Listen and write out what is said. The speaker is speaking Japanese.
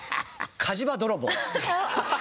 火事場泥棒。